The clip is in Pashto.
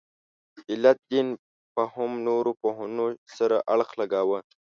علت دین فهم نورو پوهنو سره اړخ لګاوه.